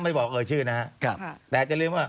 ไม่บอกชื่อนะฮะแต่คือ